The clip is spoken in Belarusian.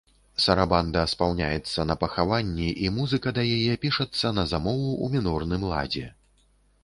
Сарабанда спаўняецца на пахаванні, і музыка да яе пішацца на замову ў мінорным ладзе.